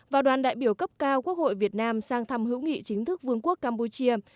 và đoàn đại biểu cấp cao quốc hội việt nam sang thăm hữu nghị chính thức vương quốc campuchia